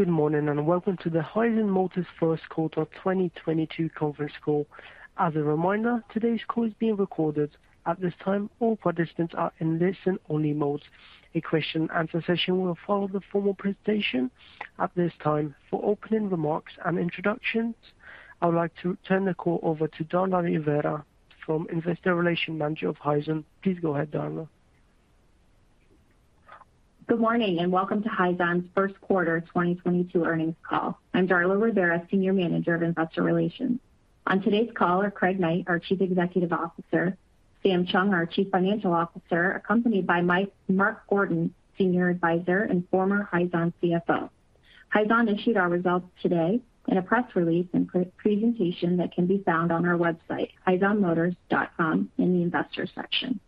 Good morning, and welcome to the Hyzon Motors First Quarter 2022 Conference Call. As a reminder, today's call is being recorded. At this time, all participants are in listen-only mode. A question and answer session will follow the formal presentation. At this time, for opening remarks and introductions, I would like to turn the call over to Darla Rivera, Investor Relations Manager of Hyzon Motors. Please go ahead, Darla. Good morning, and welcome to Hyzon's First Quarter 2022 Earnings Call. I'm Darla Rivera, Senior Manager of Investor Relations. On today's call are Craig Knight, our Chief Executive Officer, Sam Chong, our Chief Financial Officer, accompanied by Mark Gordon, Senior Adviser and former Hyzon CFO. Hyzon issued our results today in a press release and pre-presentation that can be found on our website, hyzonmotors.com in the investor section.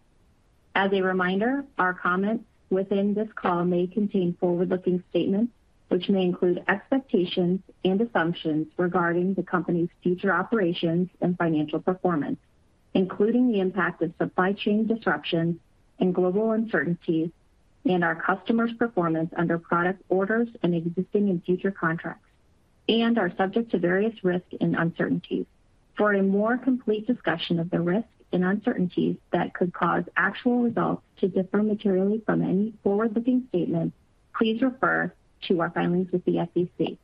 As a reminder, our comments within this call may contain forward-looking statements which may include expectations and assumptions regarding the company's future operations and financial performance, including the impact of supply chain disruptions and global uncertainties, and our customers' performance under product orders and existing and future contracts, and are subject to various risks and uncertainties. For a more complete discussion of the risks and uncertainties that could cause actual results to differ materially from any forward-looking statements, please refer to our filings with the SEC,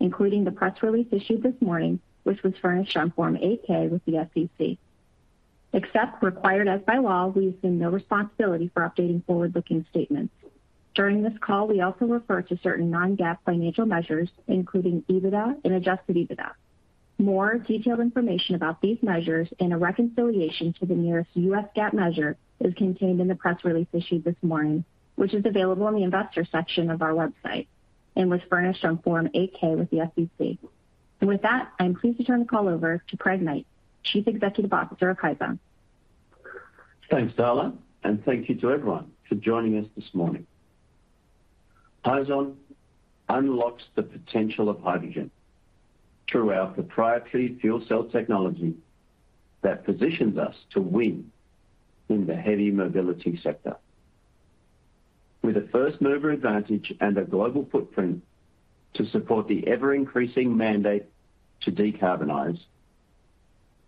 including the press release issued this morning, which was furnished on Form 8-K with the SEC. Except as required by law, we assume no responsibility for updating forward-looking statements. During this call, we also refer to certain non-GAAP financial measures, including EBITDA and Adjusted EBITDA. More detailed information about these measures and a reconciliation to the nearest U.S. GAAP measure is contained in the press release issued this morning, which is available on the investor section of our website and was furnished on Form 8-K with the SEC. With that, I am pleased to turn the call over to Craig Knight, Chief Executive Officer of Hyzon Motors. Thanks, Darla, and thank you to everyone for joining us this morning. Hyzon unlocks the potential of hydrogen through our proprietary fuel cell technology that positions us to win in the heavy mobility sector. With a first-mover advantage and a global footprint to support the ever-increasing mandate to decarbonize,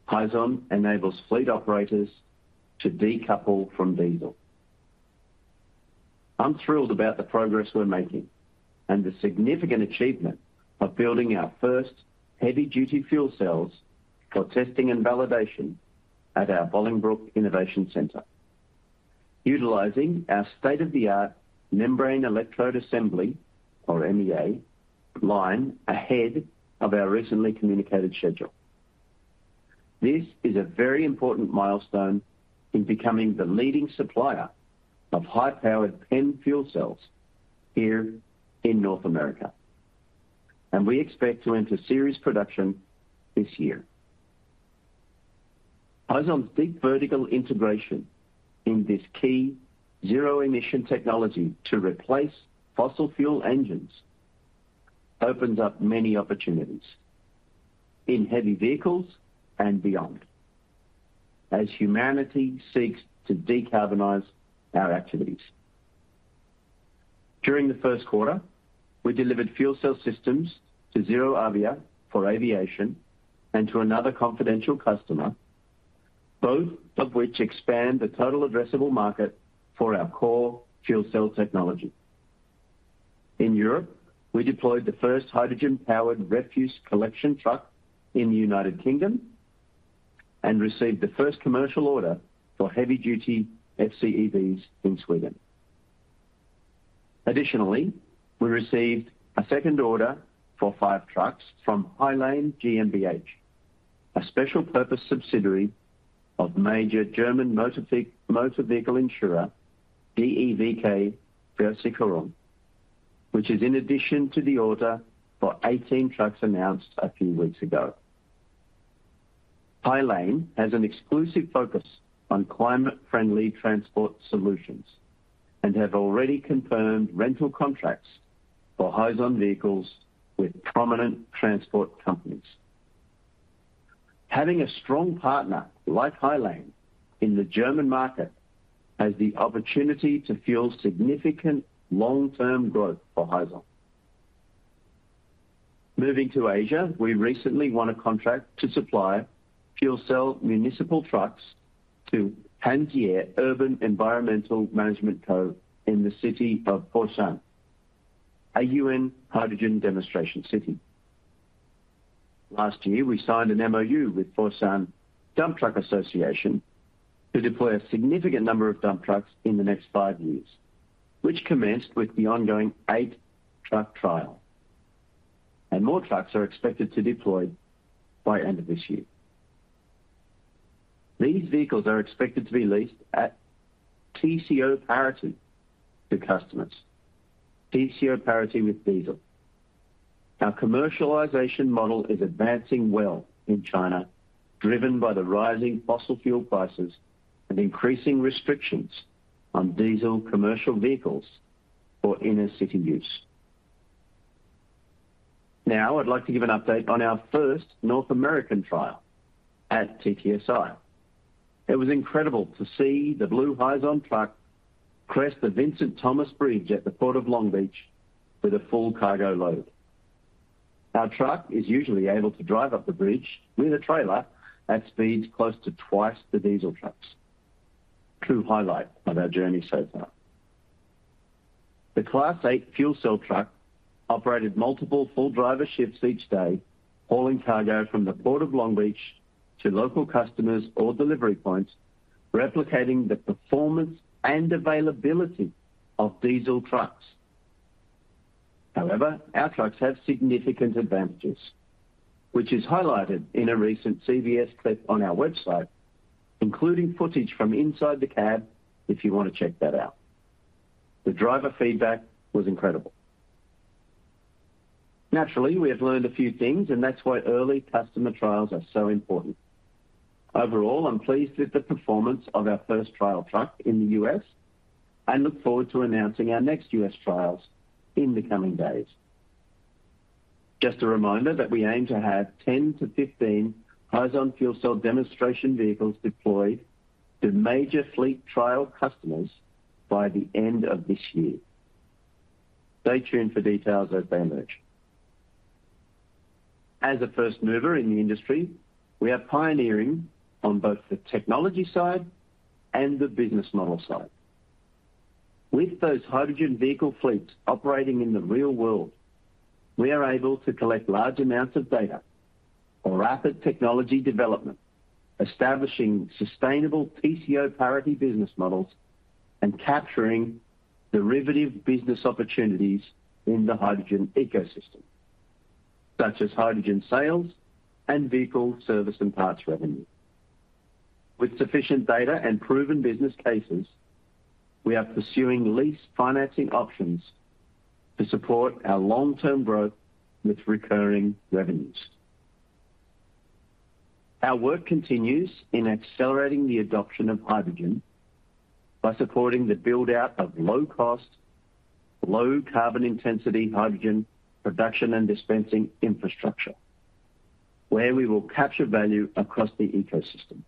Hyzon enables fleet operators to decouple from diesel. I'm thrilled about the progress we're making and the significant achievement of building our first heavy-duty fuel cells for testing and validation at our Bolingbrook Innovation Center, utilizing our state-of-the-art membrane electrode assembly or MEA line ahead of our recently communicated schedule. This is a very important milestone in becoming the leading supplier of high-powered PEM fuel cells here in North America, and we expect to enter series production this year. Hyzon's deep vertical integration in this key zero-emission technology to replace fossil fuel engines opens up many opportunities in heavy vehicles and beyond as humanity seeks to decarbonize our activities. During the first quarter, we delivered fuel cell systems to ZeroAvia for aviation and to another confidential customer, both of which expand the total addressable market for our core fuel cell technology. In Europe, we deployed the first hydrogen-powered refuse collection truck in the United Kingdom and received the first commercial order for heavy-duty FCEVs in Sweden. Additionally, we received a second order for 5 trucks from Hylane GmbH, a special purpose subsidiary of major German motor vehicle insurer, DEVK Versicherungen, which is in addition to the order for 18 trucks announced a few weeks ago. Hylane has an exclusive focus on climate-friendly transport solutions and have already confirmed rental contracts for Hyzon vehicles with prominent transport companies. Having a strong partner like Hylane in the German market has the opportunity to fuel significant long-term growth for Hyzon. Moving to Asia, we recently won a contract to supply fuel cell municipal trucks to Hanjie Urban Environmental Management Co., Ltd. in the city of Foshan, a UN hydrogen demonstration city. Last year, we signed an MoU with Foshan Dump Truck Association to deploy a significant number of dump trucks in the next 5 years, which commenced with the ongoing 8-truck trial, and more trucks are expected to deploy by end of this year. These vehicles are expected to be leased at TCO parity to customers. TCO parity with diesel. Our commercialization model is advancing well in China, driven by the rising fossil fuel prices and increasing restrictions on diesel commercial vehicles for inner-city use. Now I'd like to give an update on our first North American trial at TTSI. It was incredible to see the blue Hyzon truck crest the Vincent Thomas Bridge at the Port of Long Beach with a full cargo load. Our truck is usually able to drive up the bridge with a trailer at speeds close to twice the diesel trucks. True highlight of our journey so far. The Class 8 fuel cell truck operated multiple full driver shifts each day, hauling cargo from the Port of Long Beach to local customers or delivery points, replicating the performance and availability of diesel trucks. However, our trucks have significant advantages, which is highlighted in a recent CBS clip on our website, including footage from inside the cab, if you want to check that out. The driver feedback was incredible. Naturally, we have learned a few things, and that's why early customer trials are so important. Overall, I'm pleased with the performance of our first trial truck in the U.S. and look forward to announcing our next U.S. trials in the coming days. Just a reminder that we aim to have 10-15 Hyzon fuel cell demonstration vehicles deployed to major fleet trial customers by the end of this year. Stay tuned for details as they emerge. As a first mover in the industry, we are pioneering on both the technology side and the business model side. With those hydrogen vehicle fleets operating in the real world, we are able to collect large amounts of data for rapid technology development, establishing sustainable TCO parity business models, and capturing derivative business opportunities in the hydrogen ecosystem, such as hydrogen sales and vehicle service and parts revenue. With sufficient data and proven business cases, we are pursuing lease financing options to support our long-term growth with recurring revenues. Our work continues in accelerating the adoption of hydrogen by supporting the build-out of low cost, low carbon intensity hydrogen production and dispensing infrastructure, where we will capture value across the ecosystem.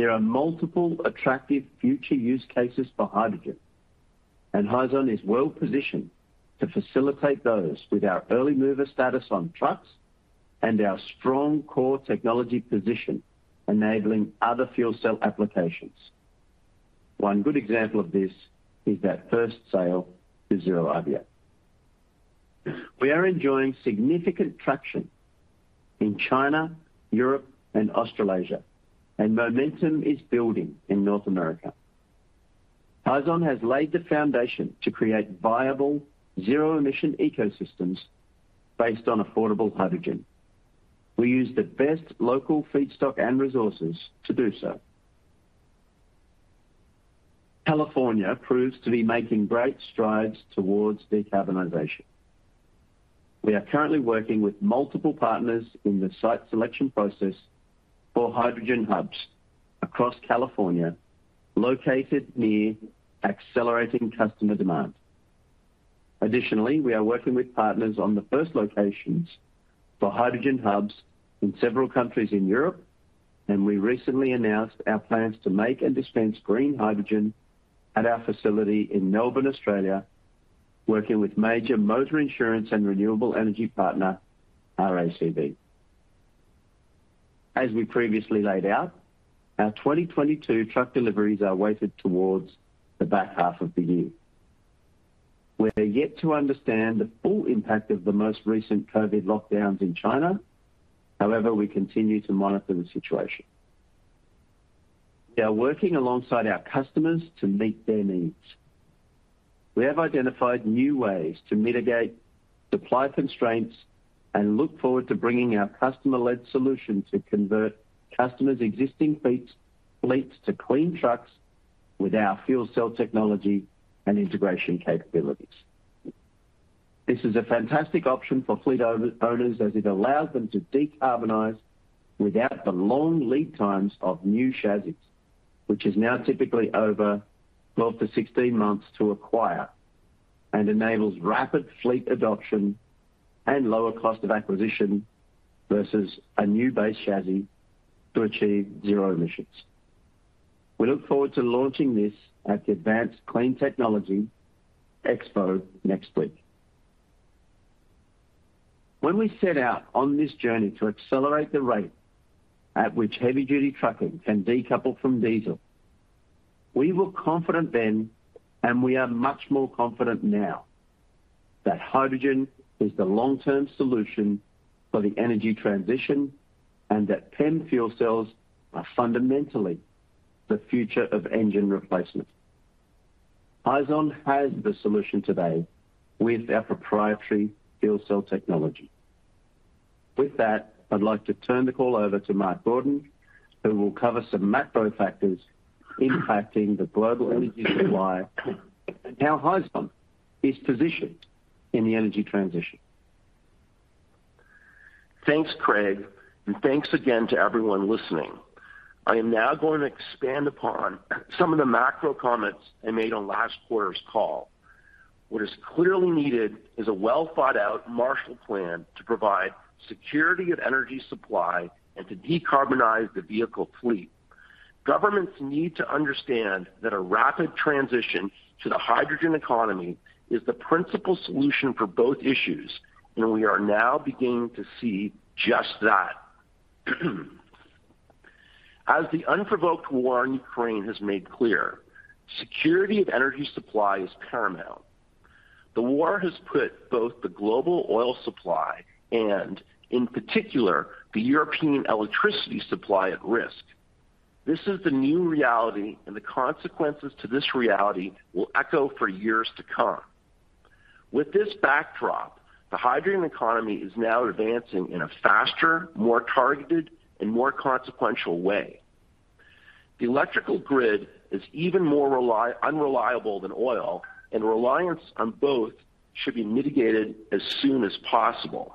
There are multiple attractive future use cases for hydrogen, and Hyzon is well positioned to facilitate those with our early mover status on trucks and our strong core technology position enabling other fuel cell applications. One good example of this is our first sale to ZeroAvia. We are enjoying significant traction in China, Europe and Australasia, and momentum is building in North America. Hyzon has laid the foundation to create viable zero emission ecosystems based on affordable hydrogen. We use the best local feedstock and resources to do so. California proves to be making great strides towards decarbonization. We are currently working with multiple partners in the site selection process for hydrogen hubs across California, located near accelerating customer demand. Additionally, we are working with partners on the first locations for hydrogen hubs in several countries in Europe, and we recently announced our plans to make and dispense green hydrogen at our facility in Melbourne, Australia, working with major motor insurance and renewable energy partner, RACV. As we previously laid out, our 2022 truck deliveries are weighted towards the back half of the year. We are yet to understand the full impact of the most recent COVID lockdowns in China. However, we continue to monitor the situation. We are working alongside our customers to meet their needs. We have identified new ways to mitigate supply constraints and look forward to bringing our customer-led solution to convert customer's existing fleets to clean trucks with our fuel cell technology and integration capabilities. This is a fantastic option for fleet owners as it allows them to decarbonize without the long lead times of new chassis, which is now typically over 12-16 months to acquire and enables rapid fleet adoption and lower cost of acquisition versus a new base chassis to achieve zero emissions. We look forward to launching this at the Advanced Clean Transportation Expo next week. When we set out on this journey to accelerate the rate at which heavy-duty trucking can decouple from diesel, we were confident then, and we are much more confident now, that hydrogen is the long term solution for the energy transition, and that PEM fuel cells are fundamentally the future of engine replacement. Hyzon has the solution today with our proprietary fuel cell technology. With that, I'd like to turn the call over to Mark Gordon, who will cover some macro factors impacting the global energy supply and how Hyzon is positioned in the energy transition. Thanks, Craig, and thanks again to everyone listening. I am now going to expand upon some of the macro comments I made on last quarter's call. What is clearly needed is a well-thought-out Marshall Plan to provide security of energy supply and to decarbonize the vehicle fleet. Governments need to understand that a rapid transition to the hydrogen economy is the principal solution for both issues, and we are now beginning to see just that. As the unprovoked war in Ukraine has made clear, security of energy supply is paramount. The war has put both the global oil supply and, in particular, the European electricity supply at risk. This is the new reality, and the consequences to this reality will echo for years to come. With this backdrop, the hydrogen economy is now advancing in a faster, more targeted, and more consequential way. The electrical grid is even more unreliable than oil, and reliance on both should be mitigated as soon as possible.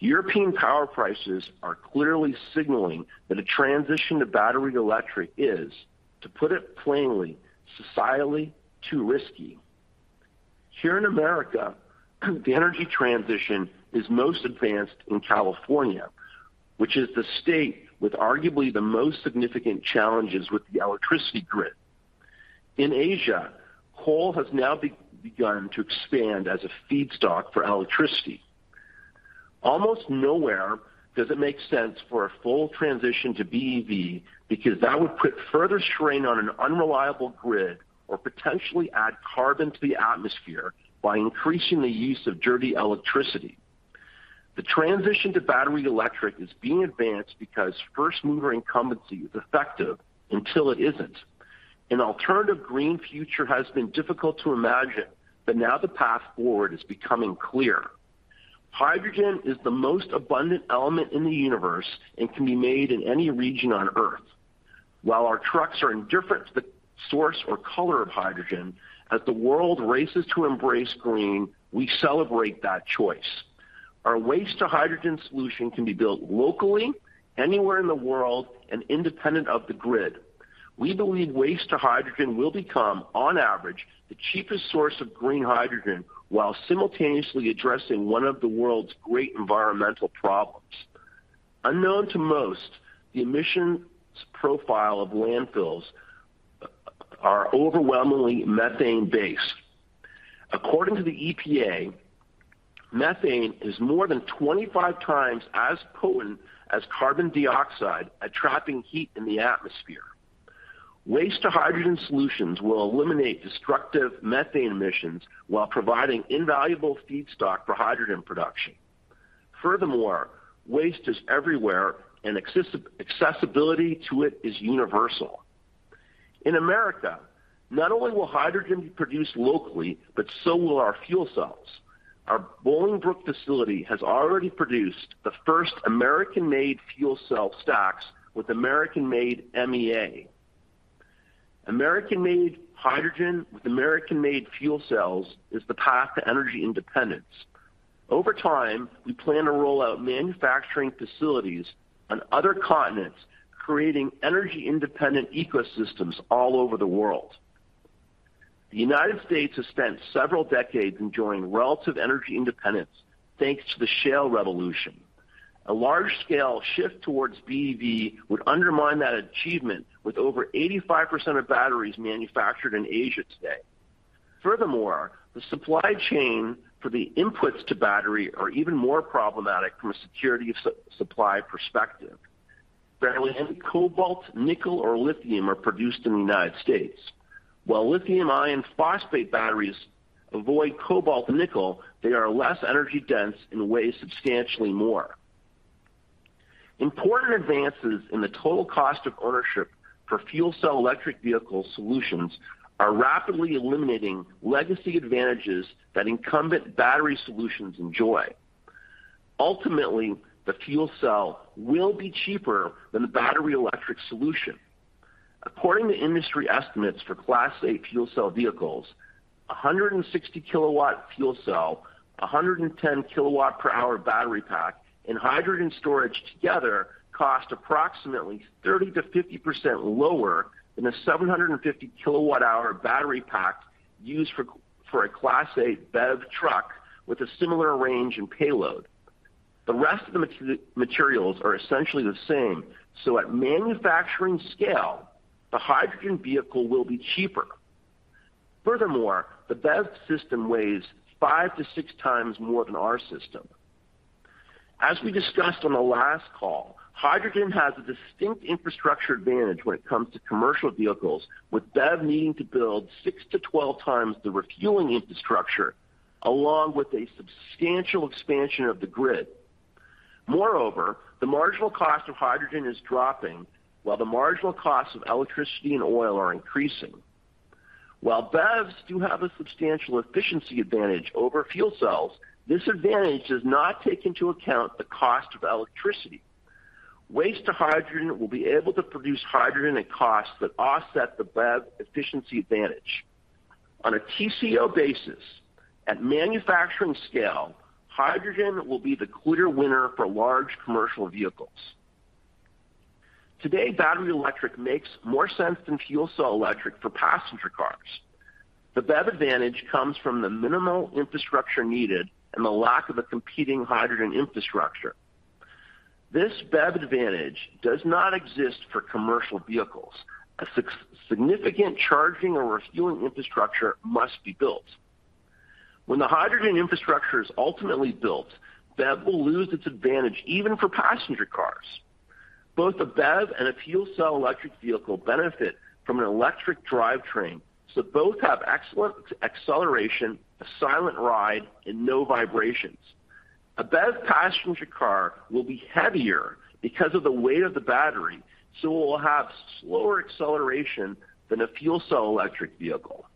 European power prices are clearly signaling that a transition to battery electric is, to put it plainly, societally too risky. Here in America, the energy transition is most advanced in California, which is the state with arguably the most significant challenges with the electricity grid. In Asia, coal has now begun to expand as a feedstock for electricity. Almost nowhere does it make sense for a full transition to BEV because that would put further strain on an unreliable grid or potentially add carbon to the atmosphere by increasing the use of dirty electricity. The transition to battery electric is being advanced because first-mover incumbency is effective until it isn't. An alternative green future has been difficult to imagine, but now the path forward is becoming clear. Hydrogen is the most abundant element in the universe and can be made in any region on Earth. While our trucks are indifferent to the source or color of hydrogen, as the world races to embrace green, we celebrate that choice. Our waste to hydrogen solution can be built locally, anywhere in the world, and independent of the grid. We believe waste to hydrogen will become, on average, the cheapest source of green hydrogen while simultaneously addressing one of the world's great environmental problems. Unknown to most, the emissions profile of landfills are overwhelmingly methane-based. According to the EPA, methane is more than 25 times as potent as carbon dioxide at trapping heat in the atmosphere. Waste to hydrogen solutions will eliminate destructive methane emissions while providing invaluable feedstock for hydrogen production. Furthermore, waste is everywhere and accessibility to it is universal. In America, not only will hydrogen be produced locally, but so will our fuel cells. Our Bolingbrook facility has already produced the first American-made fuel cell stacks with American-made MEA. American-made hydrogen with American-made fuel cells is the path to energy independence. Over time, we plan to roll out manufacturing facilities on other continents, creating energy-independent ecosystems all over the world. The United States has spent several decades enjoying relative energy independence thanks to the shale revolution. A large-scale shift towards BEV would undermine that achievement with over 85% of batteries manufactured in Asia today. Furthermore, the supply chain for the inputs to battery are even more problematic from a security supply perspective. Barely any cobalt, nickel or lithium are produced in the United States. While lithium iron phosphate batteries avoid cobalt and nickel, they are less energy-dense and weigh substantially more. Important advances in the total cost of ownership for fuel cell electric vehicle solutions are rapidly eliminating legacy advantages that incumbent battery solutions enjoy. Ultimately, the fuel cell will be cheaper than the battery electric solution. According to industry estimates for Class 8 fuel cell vehicles, a 160-kW fuel cell, a 110-kWh battery pack, and hydrogen storage together cost approximately 30%-50% lower than a 750-kWh battery pack used for a Class 8 BEV truck with a similar range and payload. The rest of the materials are essentially the same, so at manufacturing scale, the hydrogen vehicle will be cheaper. Furthermore, the BEV system weighs 5-6 times more than our system. As we discussed on the last call, hydrogen has a distinct infrastructure advantage when it comes to commercial vehicles, with BEV needing to build 6-12 times the refueling infrastructure along with a substantial expansion of the grid. Moreover, the marginal cost of hydrogen is dropping while the marginal costs of electricity and oil are increasing. While BEVs do have a substantial efficiency advantage over fuel cells, this advantage does not take into account the cost of electricity. Waste to hydrogen will be able to produce hydrogen at costs that offset the BEV efficiency advantage. On a TCO basis, at manufacturing scale, hydrogen will be the clear winner for large commercial vehicles. Today, battery electric makes more sense than fuel cell electric for passenger cars. The BEV advantage comes from the minimal infrastructure needed and the lack of a competing hydrogen infrastructure. This BEV advantage does not exist for commercial vehicles. A significant charging or refueling infrastructure must be built. When the hydrogen infrastructure is ultimately built, BEV will lose its advantage even for passenger cars. Both a BEV and a fuel cell electric vehicle benefit from an electric drivetrain, so both have excellent acceleration, a silent ride, and no vibrations. A BEV passenger car will be heavier because of the weight of the battery, so it will have slower acceleration than a fuel cell electric vehicle.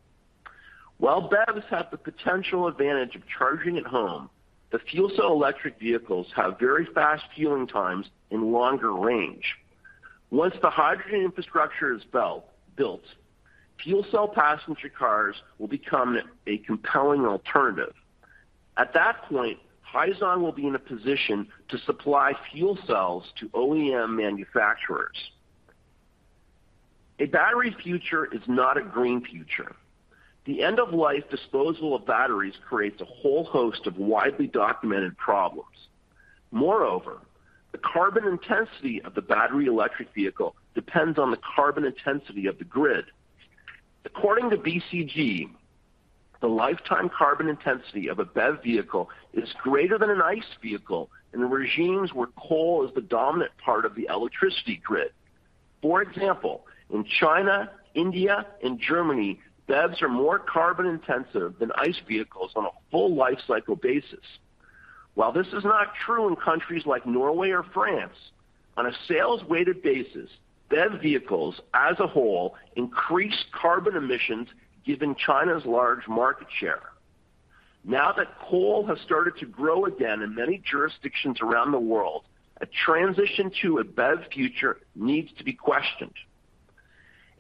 While BEVs have the potential advantage of charging at home, the fuel cell electric vehicles have very fast fueling times and longer range. Once the hydrogen infrastructure is built, fuel cell passenger cars will become a compelling alternative. At that point, Hyzon will be in a position to supply fuel cells to OEM manufacturers. A battery future is not a green future. The end-of-life disposal of batteries creates a whole host of widely documented problems. Moreover, the carbon intensity of the battery electric vehicle depends on the carbon intensity of the grid. According to BCG, the lifetime carbon intensity of a BEV vehicle is greater than an ICE vehicle in regimes where coal is the dominant part of the electricity grid. For example, in China, India and Germany, BEVs are more carbon intensive than ICE vehicles on a full life cycle basis. While this is not true in countries like Norway or France, on a sales-weighted basis, BEV vehicles as a whole increase carbon emissions given China's large market share. Now that coal has started to grow again in many jurisdictions around the world, a transition to a BEV future needs to be questioned.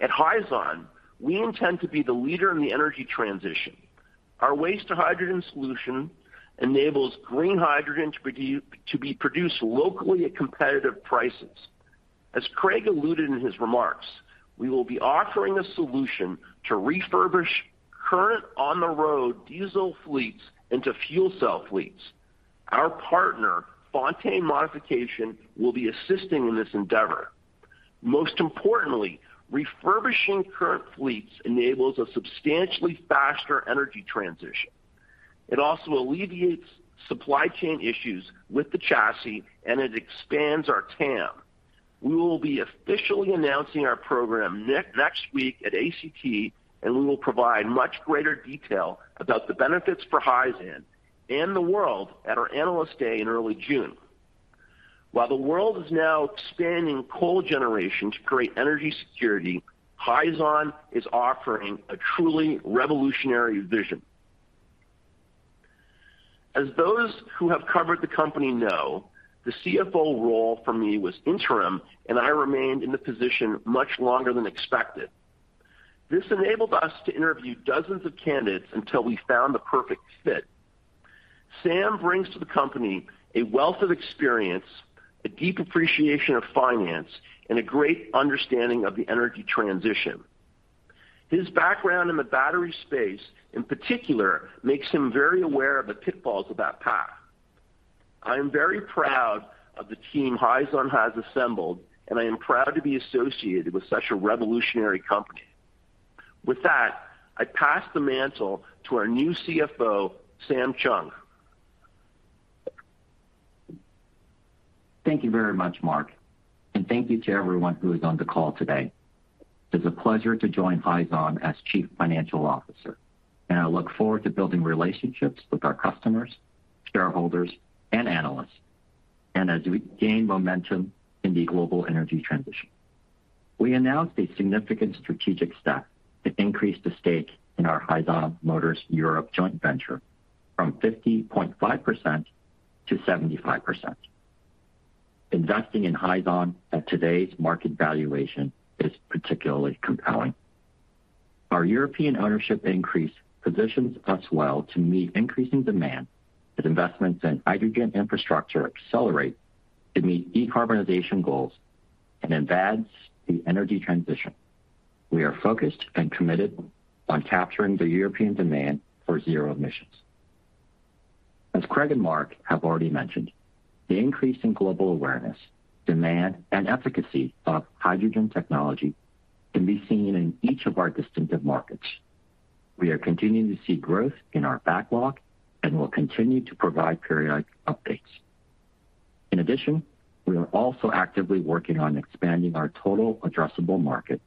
At Hyzon, we intend to be the leader in the energy transition. Our waste to hydrogen solution enables green hydrogen to be produced locally at competitive prices. As Craig alluded in his remarks, we will be offering a solution to refurbish current on-the-road diesel fleets into fuel cell fleets. Our partner, Fontaine Modification, will be assisting in this endeavor. Most importantly, refurbishing current fleets enables a substantially faster energy transition. It also alleviates supply chain issues with the chassis, and it expands our TAM. We will be officially announcing our program next week at ACT, and we will provide much greater detail about the benefits for Hyzon and the world at our Analyst Day in early June. While the world is now expanding coal generation to create energy security, Hyzon is offering a truly revolutionary vision. As those who have covered the company know, the CFO role for me was interim, and I remained in the position much longer than expected. This enabled us to interview dozens of candidates until we found the perfect fit. Samuel brings to the company a wealth of experience, a deep appreciation of finance, and a great understanding of the energy transition. His background in the battery space, in particular, makes him very aware of the pitfalls of that path. I am very proud of the team Hyzon has assembled, and I am proud to be associated with such a revolutionary company. With that, I pass the mantle to our new CFO, Samuel Chong. Thank you very much, Mark, and thank you to everyone who is on the call today. It's a pleasure to join Hyzon Motors as Chief Financial Officer, and I look forward to building relationships with our customers, shareholders, and analysts, and as we gain momentum in the global energy transition. We announced a significant strategic step to increase the stake in our Hyzon Motors Europe joint venture from 50.5% to 75%. Investing in Hyzon Motors at today's market valuation is particularly compelling. Our European ownership increase positions us well to meet increasing demand as investments in hydrogen infrastructure accelerate to meet decarbonization goals and advance the energy transition. We are focused and committed on capturing the European demand for zero emissions. As Craig and Mark have already mentioned, the increase in global awareness, demand, and efficacy of hydrogen technology can be seen in each of our distinctive markets. We are continuing to see growth in our backlog and will continue to provide periodic updates. In addition, we are also actively working on expanding our total addressable market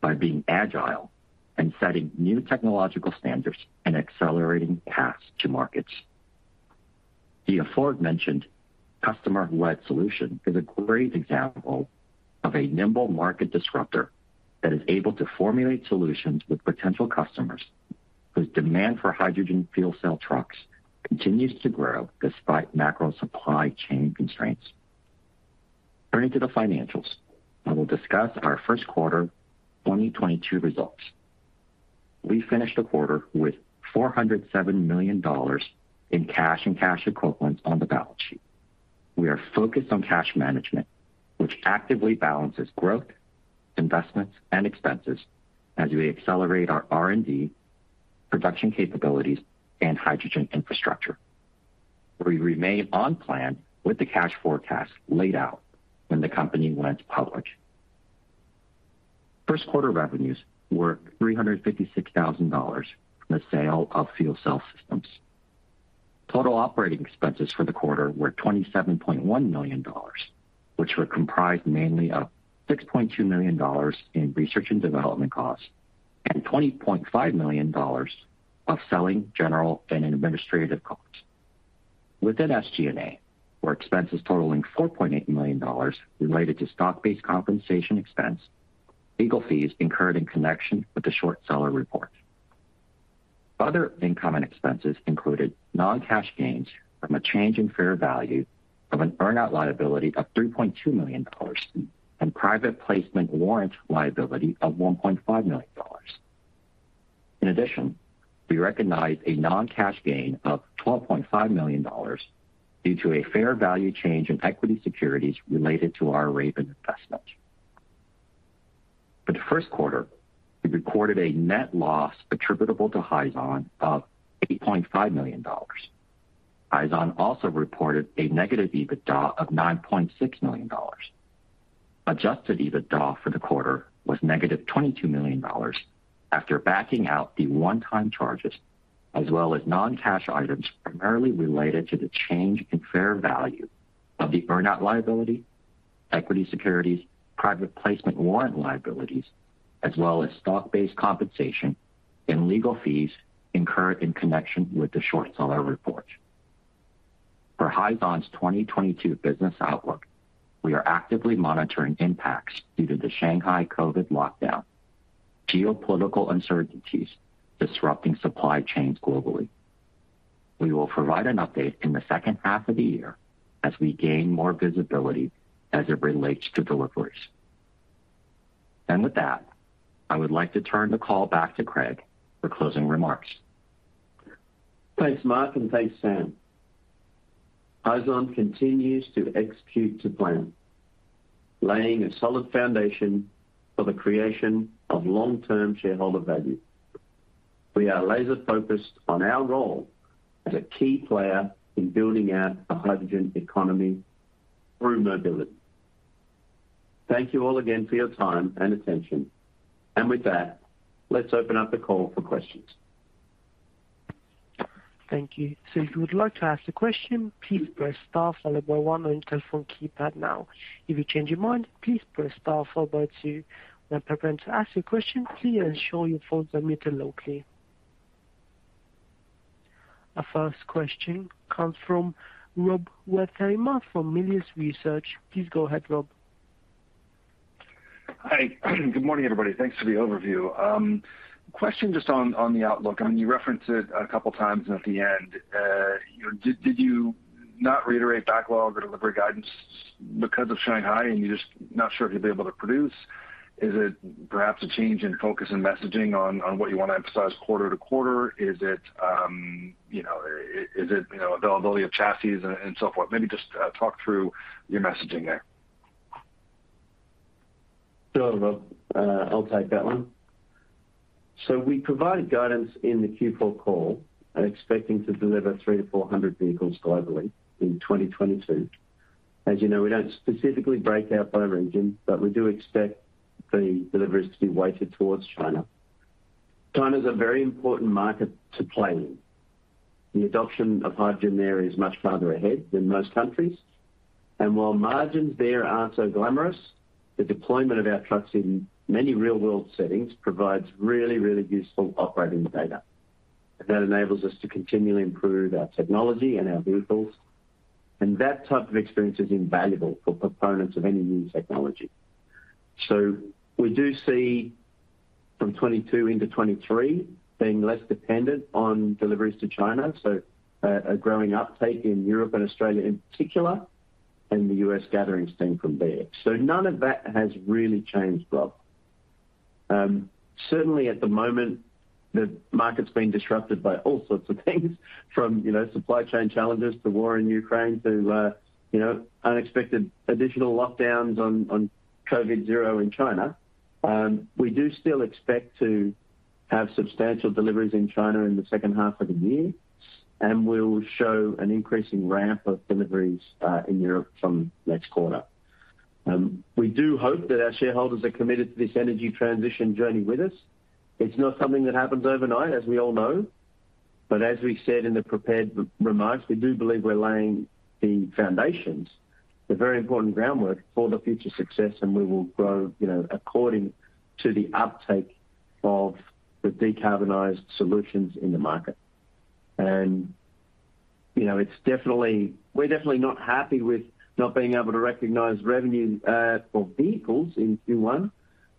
by being agile and setting new technological standards and accelerating paths to markets. The aforementioned customer-led solution is a great example of a nimble market disruptor that is able to formulate solutions with potential customers. As demand for hydrogen fuel cell trucks continues to grow despite macro supply chain constraints. Turning to the financials, I will discuss our first quarter 2022 results. We finished the quarter with $407 million in cash and cash equivalents on the balance sheet. We are focused on cash management, which actively balances growth, investments and expenses as we accelerate our R&D, production capabilities and hydrogen infrastructure. We remain on plan with the cash forecast laid out when the company went public. First quarter revenues were $356,000 in the sale of fuel cell systems. Total operating expenses for the quarter were $27.1 million, which were comprised mainly of $6.2 million in research and development costs and $20.5 million of selling, general and administrative costs. Within SG&A were expenses totaling $4.8 million related to stock-based compensation expense, legal fees incurred in connection with the short seller report. Other income and expenses included non-cash gains from a change in fair value of an earn out liability of $3.2 million and private placement warrant liability of $1.5 million. In addition, we recognized a non-cash gain of $12.5 million due to a fair value change in equity securities related to our Raven Investment. For the first quarter, we recorded a net loss attributable to Hyzon of $8.5 million. Hyzon also reported a negative EBITDA of $9.6 million. Adjusted EBITDA for the quarter was negative $22 million after backing out the one-time charges as well as non-cash items primarily related to the change in fair value of the earn-out liability, equity securities, private placement warrant liabilities as well as stock-based compensation and legal fees incurred in connection with the short seller report. For Hyzon's 2022 business outlook, we are actively monitoring impacts due to the Shanghai COVID lockdown, geopolitical uncertainties disrupting supply chains globally. We will provide an update in the second half of the year as we gain more visibility as it relates to deliveries. With that, I would like to turn the call back to Craig for closing remarks. Thanks, Mark, and thanks, Sam. Hyzon continues to execute to plan, laying a solid foundation for the creation of long-term shareholder value. We are laser-focused on our role as a key player in building out a hydrogen economy through mobility. Thank you all again for your time and attention. With that, let's open up the call for questions. Thank you. If you would like to ask a question, please press star followed by one on your telephone keypad now. If you change your mind, please press star followed by two. When preparing to ask your question, please ensure your phone is unmuted locally. Our first question comes from Rob Wertheimer from Melius Research. Please go ahead, Rob. Hi. Good morning, everybody. Thanks for the overview. Question just on the outlook. I mean, you referenced it a couple of times at the end. You know, did you not reiterate backlog or delivery guidance because of Shanghai, and you're just not sure if you'll be able to produce? Is it perhaps a change in focus and messaging on what you want to emphasize quarter to quarter? Is it, you know, availability of chassis and so forth? Maybe just talk through your messaging there. Sure, Rob. I'll take that one. We provided guidance in the Q4 call expecting to deliver 300-400 vehicles globally in 2022. As you know, we don't specifically break out by region, but we do expect the deliveries to be weighted towards China. China is a very important market to play in. The adoption of hydrogen there is much farther ahead than most countries. While margins there aren't so glamorous, the deployment of our trucks in many real world settings provides really, really useful operating data that enables us to continually improve our technology and our vehicles. That type of experience is invaluable for proponents of any new technology. We do see from 2022 into 2023 being less dependent on deliveries to China, a growing uptake in Europe and Australia in particular, and the US gathering steam from there. None of that has really changed, Rob. Certainly at the moment, the market's been disrupted by all sorts of things from, you know, supply chain challenges to war in Ukraine to, you know, unexpected additional lockdowns on COVID zero in China. We do still expect to have substantial deliveries in China in the second half of the year, and we'll show an increasing ramp of deliveries in Europe from next quarter. We do hope that our shareholders are committed to this energy transition journey with us. It's not something that happens overnight, as we all know. But as we said in the prepared remarks, we do believe we're laying the foundations, the very important groundwork for the future success, and we will grow, you know, according to the uptake of the decarbonized solutions in the market. You know, we're definitely not happy with not being able to recognize revenue for vehicles in Q1,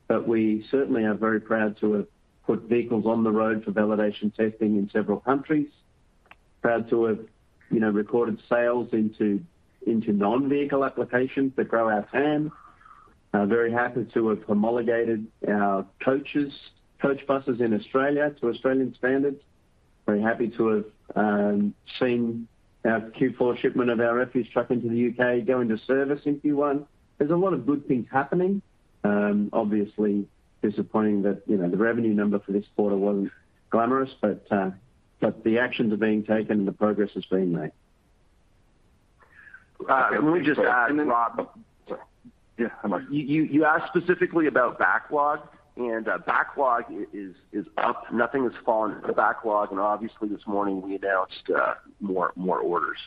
but we certainly are very proud to have put vehicles on the road for validation testing in several countries. Proud to have, you know, recorded sales into non-vehicle applications that grow our TAM. Very happy to have homologated our coaches, coach buses in Australia to Australian standards. Very happy to have seen our Q4 shipment of our refuse truck into the UK go into service in Q1. There's a lot of good things happening. Obviously disappointing that, you know, the revenue number for this quarter wasn't glamorous, but the actions are being taken, and the progress is being made. All right. Let me just add, Rob. Yeah. How about you? You asked specifically about backlog, and backlog is up. Nothing has fallen in the backlog. Obviously this morning we announced more orders.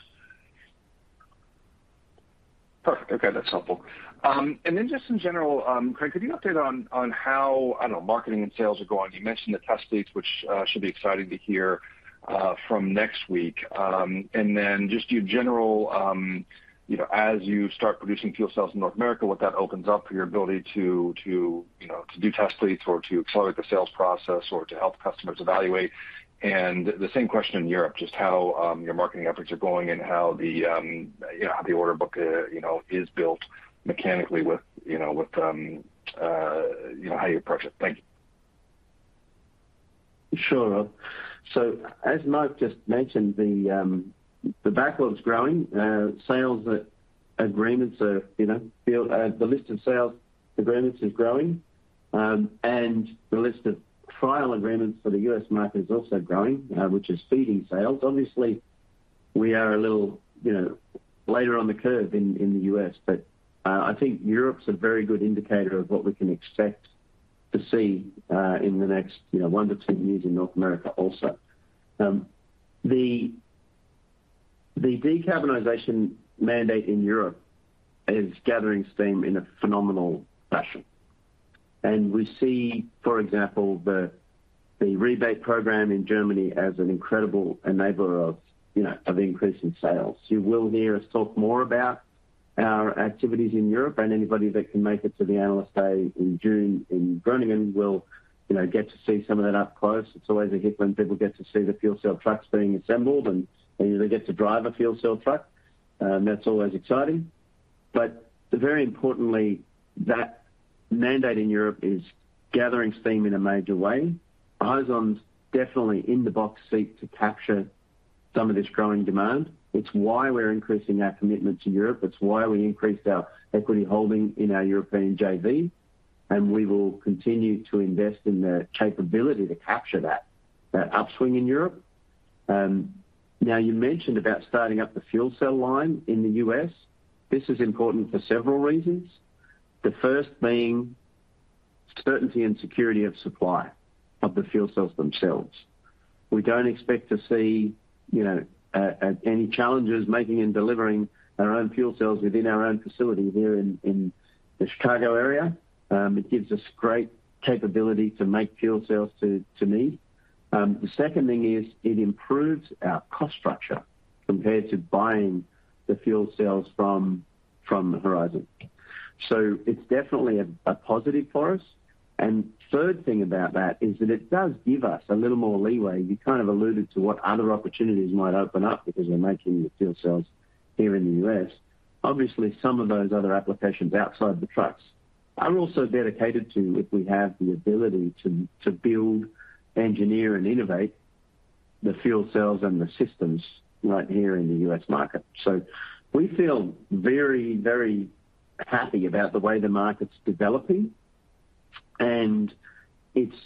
Perfect. Okay, that's helpful. In general, Craig, could you update on how, I don't know, marketing and sales are going. You mentioned the test fleets, which should be exciting to hear from next week. Just your general, you know, as you start producing fuel cells in North America, what that opens up for your ability to, you know, to do test fleets or to accelerate the sales process or to help customers evaluate. The same question in Europe, just how your marketing efforts are going and how the, you know, how the order book, you know, is built mechanically with, you know, with how you approach it. Thank you. Sure. As Mike just mentioned, the backlog's growing, the list of sales agreements is growing, and the list of trial agreements for the U.S. market is also growing, which is feeding sales. Obviously, we are a little, you know, later on the curve in the U.S., but I think Europe's a very good indicator of what we can expect to see in the next, you know, 1-2 years in North America also. The decarbonization mandate in Europe is gathering steam in a phenomenal fashion. We see, for example, the rebate program in Germany as an incredible enabler of, you know, increasing sales. You will hear us talk more about our activities in Europe, and anybody that can make it to the Analyst Day in June in Groningen will, you know, get to see some of that up close. It's always a hit when people get to see the fuel cell trucks being assembled, and they get to drive a fuel cell truck. That's always exciting. Very importantly, that mandate in Europe is gathering steam in a major way. Hyzon's definitely in the box seat to capture some of this growing demand. It's why we're increasing our commitment to Europe. It's why we increased our equity holding in our European JV, and we will continue to invest in the capability to capture that upswing in Europe. Now, you mentioned about starting up the fuel cell line in the US. This is important for several reasons. The first being certainty and security of supply of the fuel cells themselves. We don't expect to see, you know, any challenges making and delivering our own fuel cells within our own facility here in the Chicago area. It gives us great capability to make fuel cells to need. The second thing is it improves our cost structure compared to buying the fuel cells from Horizon. It's definitely a positive for us. Third thing about that is that it does give us a little more leeway. You kind of alluded to what other opportunities might open up because we're making the fuel cells here in the U.S. Obviously, some of those other applications outside the trucks are also dedicated to if we have the ability to build, engineer, and innovate the fuel cells and the systems right here in the U.S. market. We feel very, very happy about the way the market's developing, and it's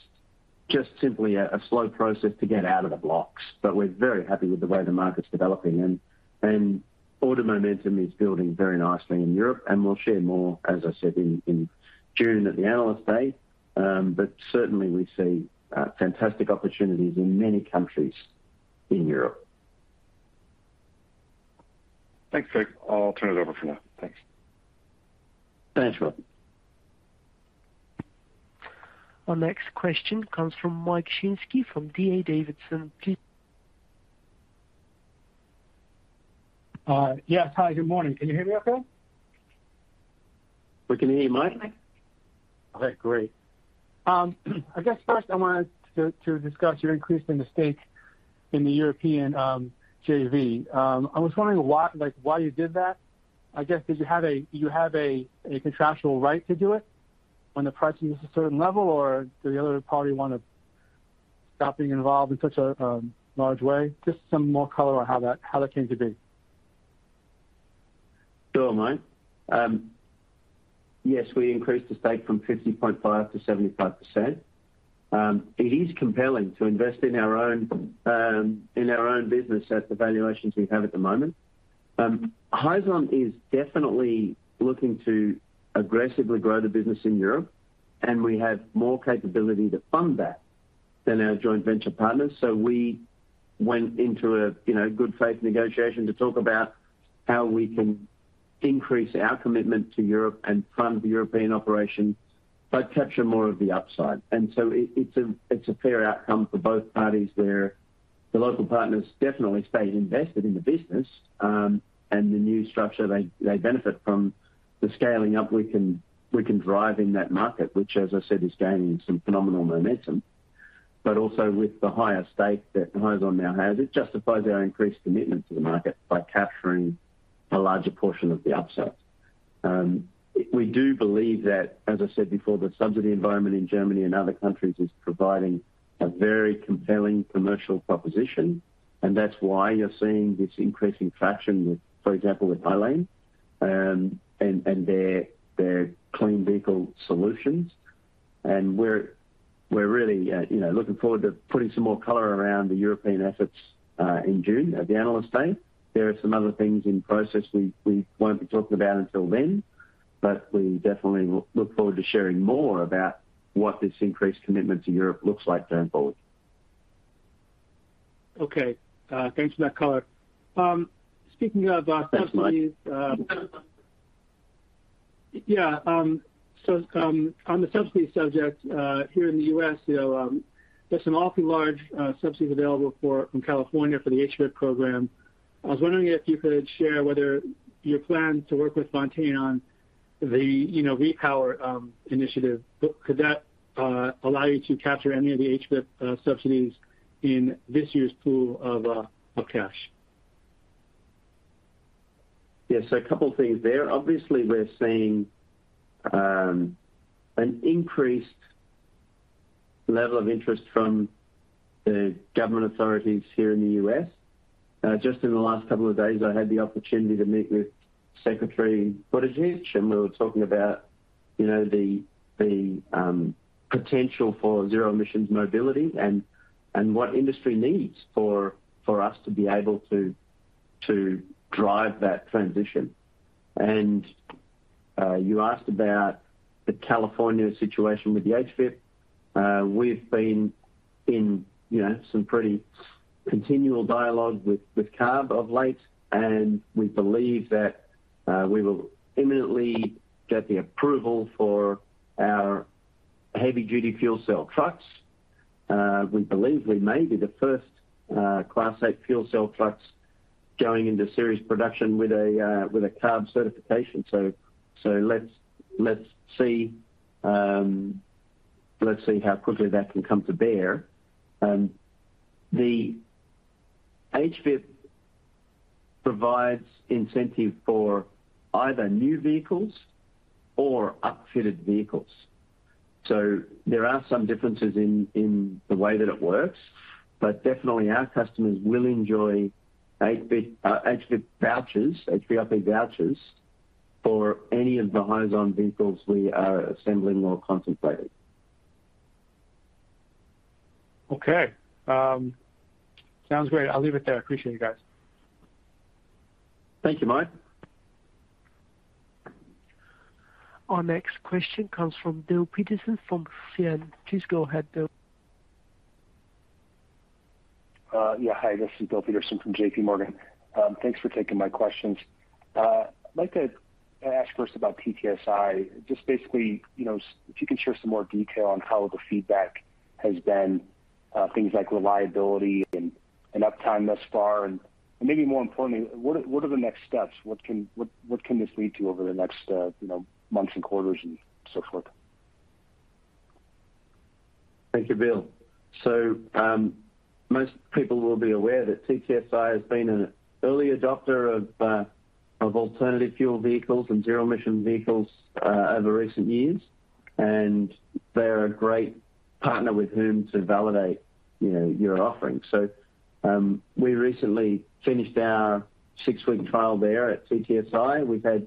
just simply a slow process to get out of the blocks. We're very happy with the way the market's developing, and order momentum is building very nicely in Europe, and we'll share more, as I said, in June at the Analyst Day. Certainly we see fantastic opportunities in many countries in Europe. Thanks, Craig. I'll turn it over for now. Thanks. Thanks, Rob. Our next question comes from Mike Shlisky from D.A. Davidson. Yes. Hi, good morning. Can you hear me okay? We can hear you, Mike. All right, great. I guess first I wanted to discuss your increase in the stake in the European JV. I was wondering why, like, why you did that. I guess, did you have a contractual right to do it when the price reaches a certain level, or did the other party want to stop being involved in such a large way? Just some more color on how that came to be. Sure, Mike. Yes, we increased the stake from 50.5% to 75%. It is compelling to invest in our own business at the valuations we have at the moment. Hyzon is definitely looking to aggressively grow the business in Europe, and we have more capability to fund that than our joint venture partners. We went into a, you know, good faith negotiation to talk about how we can increase our commitment to Europe and fund the European operation, but capture more of the upside. It is a fair outcome for both parties where the local partners definitely stay invested in the business, and the new structure they benefit from the scaling up we can drive in that market, which as I said, is gaining some phenomenal momentum. Also with the higher stake that Horizon now has, it justifies our increased commitment to the market by capturing a larger portion of the upside. We do believe that, as I said before, the subsidy environment in Germany and other countries is providing a very compelling commercial proposition, and that's why you're seeing this increasing traction with, for example, with Hylane, and their clean vehicle solutions. We're really, you know, looking forward to putting some more color around the European efforts, in June at the Analyst Day. There are some other things in process we won't be talking about until then, but we definitely look forward to sharing more about what this increased commitment to Europe looks like going forward. Okay. Thanks for that color. Speaking of subsidies. Thanks, Mike. Yeah. On the subsidy subject, here in the U.S., you know, there's some awfully large subsidies available from California for the HVIP program. I was wondering if you could share whether your plan to work with Fontaine on the, you know, Repower initiative. Could that allow you to capture any of the HVIP subsidies in this year's pool of cash? Yes. A couple things there. Obviously, we're seeing an increased level of interest from the government authorities here in the US. Just in the last couple of days, I had the opportunity to meet with Secretary Buttigieg, and we were talking about, you know, the potential for zero emissions mobility and what industry needs for us to be able to drive that transition. You asked about the California situation with the HVIP. We've been in, you know, some pretty continual dialogue with CARB of late, and we believe that we will imminently get the approval for our heavy-duty fuel cell trucks. We believe we may be the first Class 8 fuel cell trucks going into series production with a CARB certification. Let's see how quickly that can come to bear. The HVIP provides incentive for either new vehicles or upfitted vehicles. There are some differences in the way that it works, but definitely our customers will enjoy HVIP vouchers for any of the Horizon vehicles we are assembling or contemplating. Okay. Sounds great. I'll leave it there. Appreciate you guys. Thank you, Mike. Our next question comes from Bill Peterson from J.P. Morgan. Please go ahead, Bill. Yeah. Hi, this is Bill Peterson from JPMorgan. Thanks for taking my questions. I'd like to ask first about TTSI. Just basically, you know, if you can share some more detail on how the feedback has been, things like reliability and uptime thus far. Maybe more importantly, what are the next steps? What can this lead to over the next, you know, months and quarters and so forth? Thank you, Bill. Most people will be aware that TTSI has been an early adopter of alternative fuel vehicles and zero emission vehicles over recent years. They're a great partner with whom to validate, you know, your offering. We recently finished our six-week trial there at TTSI. We've had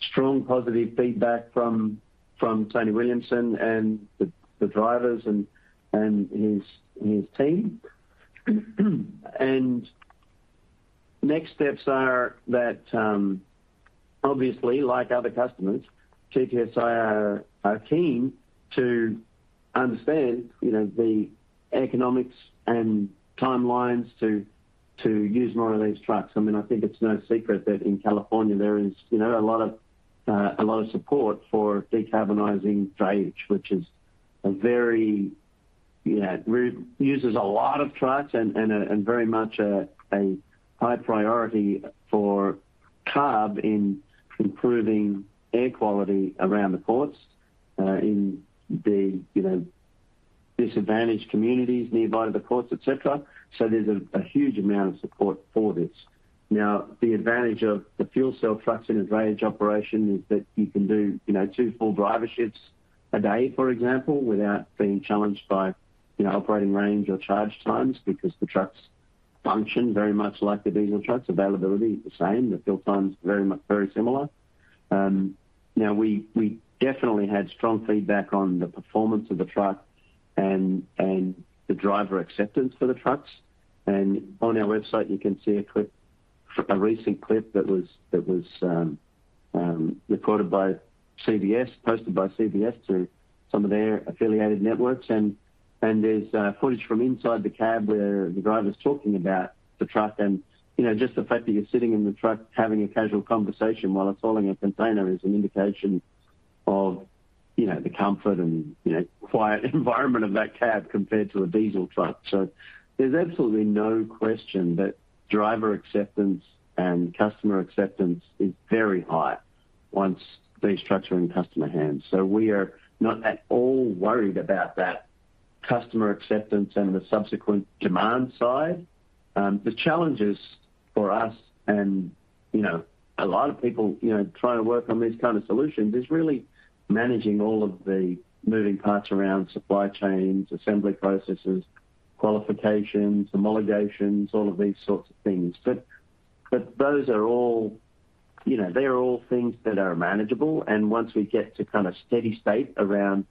strong positive feedback from Tony Williamson and the drivers and his team. Next steps are that, obviously, like other customers, TTSI are keen to understand, you know, the economics and timelines to use more of these trucks. I mean, I think it's no secret that in California there is, you know, a lot of support for decarbonizing drayage, which uses a lot of trucks and very much a high priority for CARB in improving air quality around the ports in the disadvantaged communities nearby the ports, et cetera. There's a huge amount of support for this. Now, the advantage of the fuel cell trucks in a drayage operation is that you can do 2 full driver shifts a day, for example, without being challenged by operating range or charge times because the trucks function very much like the diesel trucks. Availability is the same. The fill time is very similar. Now we definitely had strong feedback on the performance of the truck and the driver acceptance for the trucks. On our website you can see a recent clip that was recorded by CBS, posted by CBS to some of their affiliated networks. There's footage from inside the cab where the driver's talking about the truck and, you know, just the fact that you're sitting in the truck having a casual conversation while it's hauling a container is an indication of, you know, the comfort and, you know, quiet environment of that cab compared to a diesel truck. There's absolutely no question that driver acceptance and customer acceptance is very high once these trucks are in customer hands. We are not at all worried about that customer acceptance and the subsequent demand side. The challenges for us and, you know, a lot of people, you know, trying to work on these kind of solutions is really managing all of the moving parts around supply chains, assembly processes, qualifications, homologations, all of these sorts of things. Those are all, you know, they're all things that are manageable. Once we get to kind of steady state around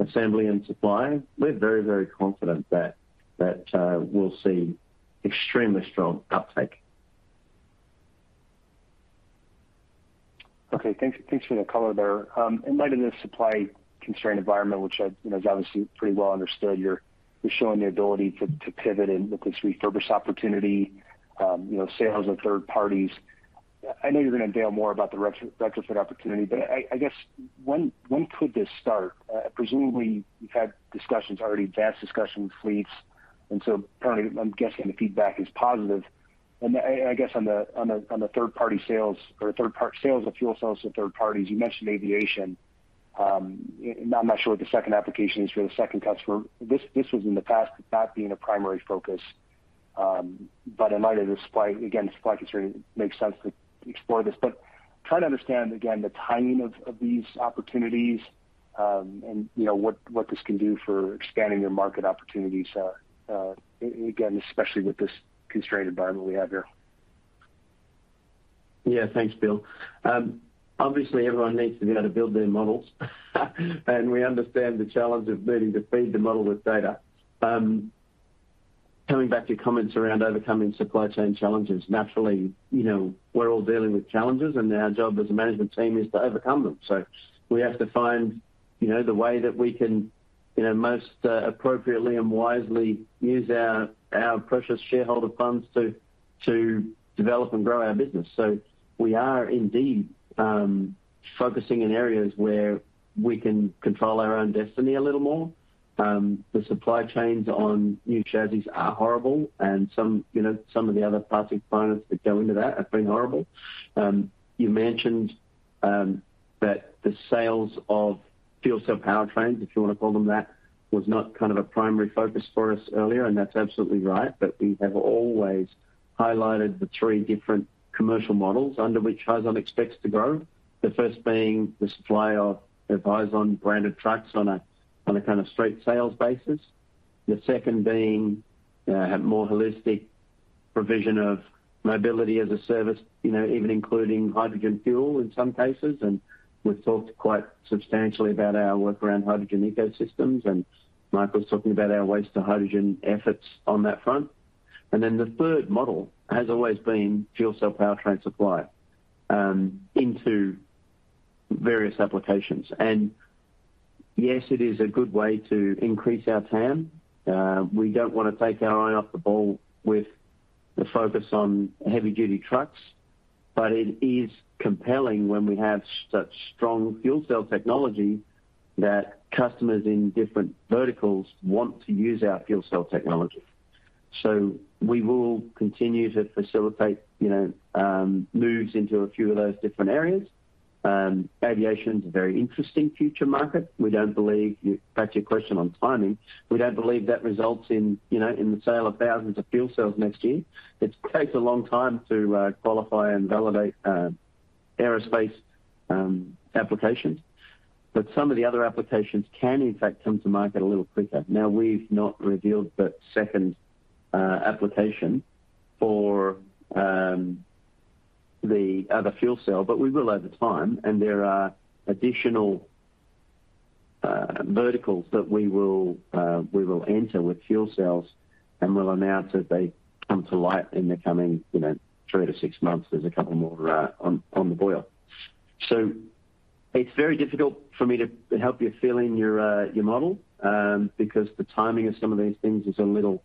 assembly and supply, we're very, very confident that we'll see extremely strong uptake. Okay. Thanks for the color there. In light of this supply constrained environment, which I, you know, is obviously pretty well understood, you're showing the ability to pivot and with this refurbished opportunity, you know, sales to third parties. I know you're gonna unveil more about the refurbished opportunity, but I guess when could this start? Presumably you've had discussions already with fleets, and so apparently I'm guessing the feedback is positive. I guess on the third party sales or third party sales of fuel cells to third parties, you mentioned aviation. I'm not sure what the second application is for the second customer. This was in the past not being a primary focus, but in light of the supply constraint, it makes sense to explore this. Trying to understand again, the timing of these opportunities, and you know, what this can do for expanding your market opportunities, and again, especially with this constrained environment we have here. Yeah, thanks, Bill. Obviously everyone needs to be able to build their models, and we understand the challenge of needing to feed the model with data. Coming back to your comments around overcoming supply chain challenges, naturally, you know, we're all dealing with challenges, and our job as a management team is to overcome them. We have to find, you know, the way that we can, you know, most appropriately and wisely use our precious shareholder funds to develop and grow our business. We are indeed focusing in areas where we can control our own destiny a little more. The supply chains on new chassis are horrible, and some, you know, some of the other parts and components that go into that have been horrible. You mentioned that the sales of fuel cell powertrains, if you wanna call them that, was not kind of a primary focus for us earlier, and that's absolutely right. We have always highlighted the three different commercial models under which Hyzon expects to grow. The first being the supply of Hyzon branded trucks on a kind of straight sales basis. The second being a more holistic provision of mobility as a service, you know, even including hydrogen fuel in some cases. We've talked quite substantially about our work around hydrogen ecosystems, and Michael's talking about our waste to hydrogen efforts on that front. The third model has always been fuel cell powertrain supply into various applications. Yes, it is a good way to increase our TAM. We don't want to take our eye off the ball with the focus on heavy duty trucks, but it is compelling when we have such strong fuel cell technology that customers in different verticals want to use our fuel cell technology. We will continue to facilitate, you know, moves into a few of those different areas. Aviation's a very interesting future market. Back to your question on timing, we don't believe that results in, you know, in the sale of thousands of fuel cells next year. It takes a long time to qualify and validate aerospace applications, but some of the other applications can in fact come to market a little quicker. Now, we've not revealed the second application for the other fuel cell, but we will over time, and there are additional verticals that we will enter with fuel cells and will announce as they come to light in the coming, you know, 3-6 months. There's a couple more on the boil. It's very difficult for me to help you fill in your model because the timing of some of these things is a little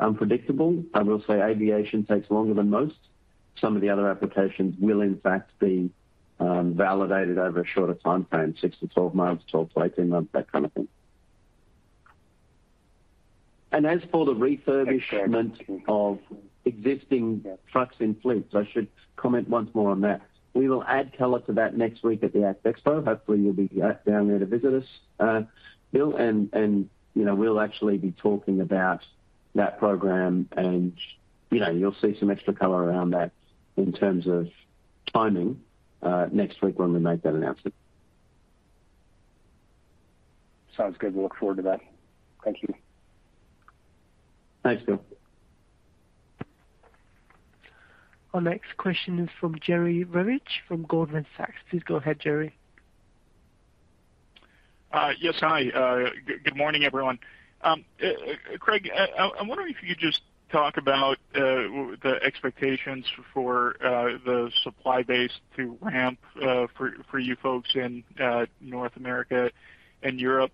unpredictable. I will say aviation takes longer than most. Some of the other applications will in fact be validated over a shorter timeframe, 6-12 months, 12-18 months, that kind of thing. As for the refurbishment of existing trucks and fleets, I should comment once more on that. We will add color to that next week at the ACT Expo. Hopefully, you'll be down there to visit us, Bill, and you know, we'll actually be talking about that program and, you know, you'll see some extra color around that in terms of timing, next week when we make that announcement. Sounds good. We'll look forward to that. Thank you. Thanks, Bill. Our next question is from Jerry Revich from Goldman Sachs. Please go ahead, Jerry. Yes, hi. Good morning, everyone. Craig, I'm wondering if you could just talk about the expectations for the supply base to ramp for you folks in North America and Europe,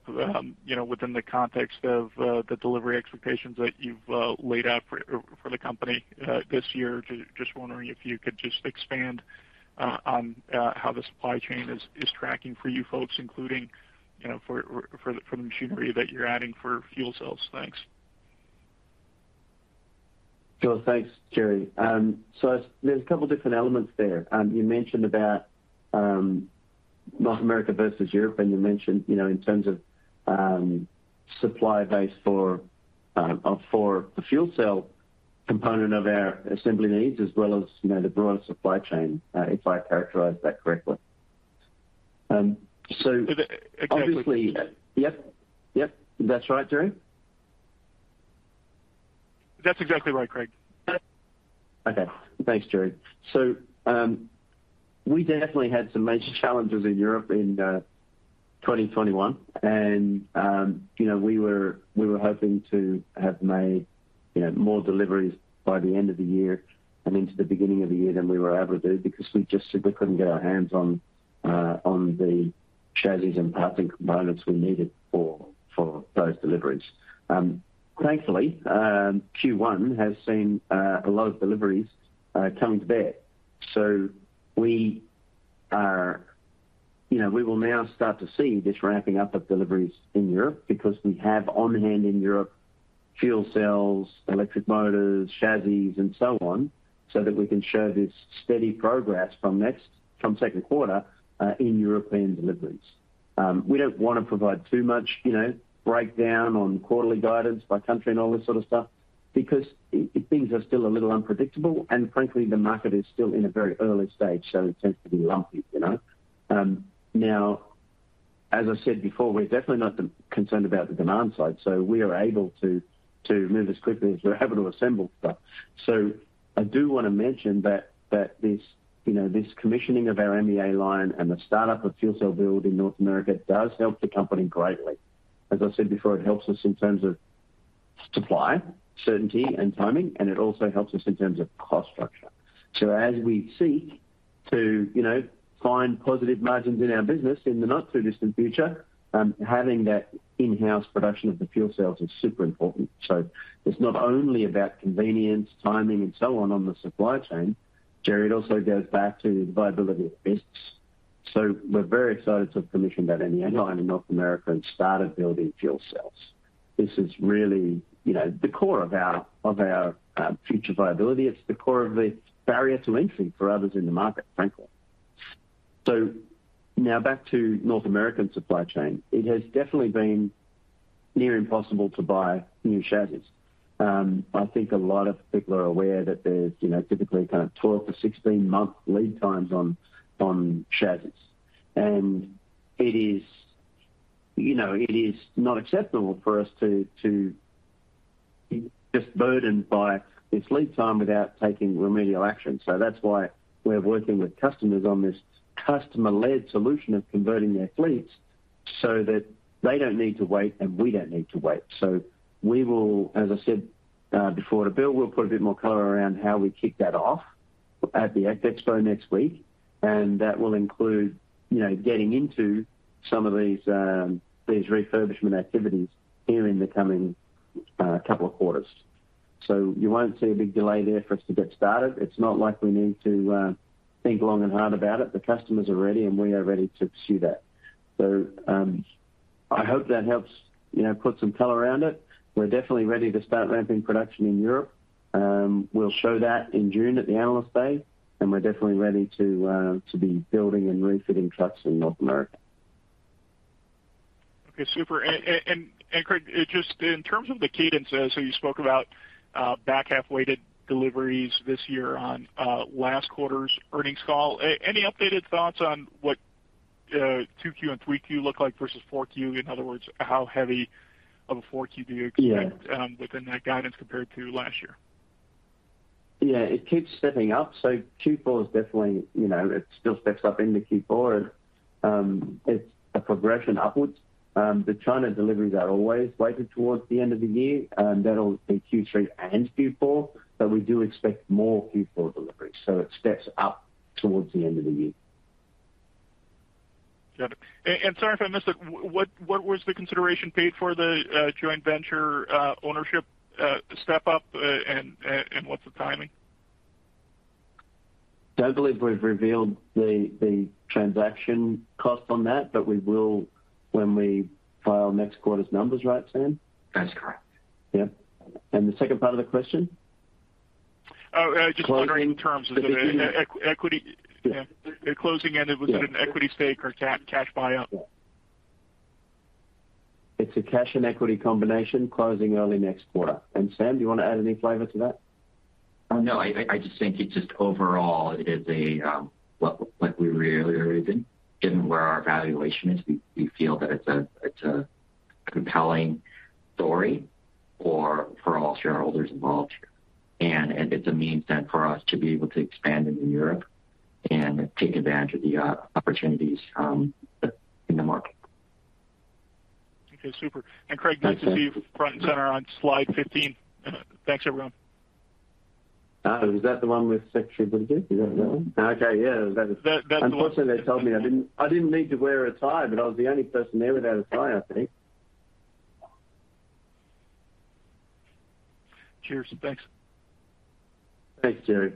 you know, within the context of the delivery expectations that you've laid out for the company this year. Just wondering if you could just expand on how the supply chain is tracking for you folks, including you know, for the machinery that you're adding for fuel cells. Thanks. Sure. Thanks, Jerry. There's a couple different elements there. You mentioned about North America versus Europe, and you mentioned, you know, in terms of supply base for the fuel cell component of our assembly needs as well as, you know, the broader supply chain, if I characterize that correctly. Obviously- Exactly. Yep. Yep. That's right, Jerry? That's exactly right, Craig. Okay. Thanks, Jerry. We definitely had some major challenges in Europe in 2021. You know, we were hoping to have made more deliveries by the end of the year and into the beginning of the year than we were able to do because we just simply couldn't get our hands on the chassis and parts and components we needed for those deliveries. Thankfully, Q1 has seen a lot of deliveries coming to bear. We will now start to see this ramping up of deliveries in Europe because we have on hand in Europe fuel cells, electric motors, chassis and so on, so that we can show this steady progress from second quarter in European deliveries. We don't want to provide too much, you know, breakdown on quarterly guidance by country and all this sort of stuff because things are still a little unpredictable, and frankly, the market is still in a very early stage, so it tends to be lumpy, you know. Now as I said before, we're definitely not concerned about the demand side, so we are able to move as quickly as we're able to assemble stuff. I do want to mention that this, you know, this commissioning of our MEA line and the startup of fuel cell build in North America does help the company greatly. As I said before, it helps us in terms of supply, certainty and timing, and it also helps us in terms of cost structure. As we seek to, you know, find positive margins in our business in the not too distant future, having that in-house production of the fuel cells is super important. It's not only about convenience, timing and so on on the supply chain, Jerry, it also goes back to the viability of this. We're very excited to have commissioned that MEA line in North America and started building fuel cells. This is really, you know, the core of our future viability. It's the core of the barrier to entry for others in the market, frankly. Now back to North American supply chain. It has definitely been near impossible to buy new chassis. I think a lot of people are aware that there's, you know, typically kind of 12-16 month lead times on chassis. It is, you know, it is not acceptable for us to be just burdened by this lead time without taking remedial action. That's why we're working with customers on this customer-led solution of converting their fleets so that they don't need to wait, and we don't need to wait. We will, as I said, before to Bill, we'll put a bit more color around how we kick that off at the ACT Expo next week, and that will include, you know, getting into some of these refurbishment activities here in the coming couple of quarters. You won't see a big delay there for us to get started. It's not like we need to think long and hard about it. The customers are ready, and we are ready to pursue that. I hope that helps, you know, put some color around it. We're definitely ready to start ramping production in Europe. We'll show that in June at the Analyst Day, and we're definitely ready to be building and refitting trucks in North America. Okay, super. Craig, just in terms of the cadence, so you spoke about back half weighted deliveries this year on last quarter's earnings call. Any updated thoughts on what 2Q and 3Q look like versus 4Q? In other words, how heavy of a 4Q do you expect? Yeah. Within that guidance compared to last year? Yeah, it keeps stepping up. Q4 is definitely, you know, it still steps up into Q4. It's a progression upwards. The China deliveries are always weighted towards the end of the year, and that'll be Q3 and Q4, but we do expect more Q4 deliveries, so it steps up towards the end of the year. Got it. Sorry if I missed it. What was the consideration paid for the joint venture ownership step up, and what's the timing? Don't believe we've revealed the transaction cost on that, but we will when we file next quarter's numbers, right, Sam? That's correct. Yeah. The second part of the question? Oh, just wondering in terms of the equity. Yeah. The closing end, was it an equity stake or cash buyout? It's a cash and equity combination closing early next quarter. Sam, do you want to add any flavor to that? Oh, no. I just think it just overall is a like we reiterated, given where our valuation is, we feel that it's a. A compelling story for all shareholders involved. It's a means then for us to be able to expand into Europe and take advantage of the opportunities in the market. Okay, super. Craig, nice to see you front and center on slide 15. Thanks, everyone. Oh, is that the one with Section? Is that one? Okay. Yeah, that is. That's the one. Unfortunately, they told me I didn't need to wear a tie, but I was the only person there without a tie, I think. Cheers. Thanks. Thanks, Gerry.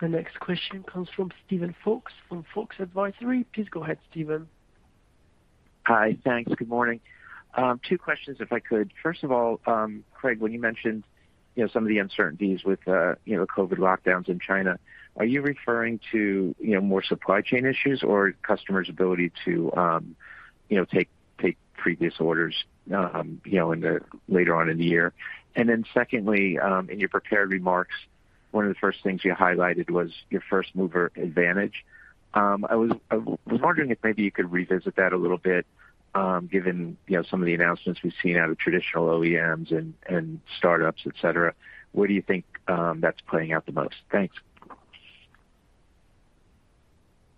The next question comes from Steven Fox from Fox Advisors. Please go ahead, Steven. Hi. Thanks. Good morning. Two questions if I could. First of all, Craig, when you mentioned, you know, some of the uncertainties with, you know, COVID lockdowns in China, are you referring to, you know, more supply chain issues or customers' ability to, you know, take previous orders, you know, later on in the year? Then secondly, in your prepared remarks, one of the first things you highlighted was your first-mover advantage. I was wondering if maybe you could revisit that a little bit, given, you know, some of the announcements we've seen out of traditional OEMs and startups, et cetera. Where do you think that's playing out the most? Thanks.